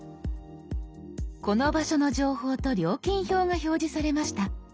この場所の情報と料金表が表示されました。